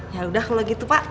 yaudah kalau gitu pak